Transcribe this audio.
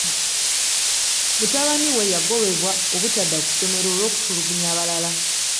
Mutabani we yagobebwa obutadda ku ssomero olw'okutulugunya abalala.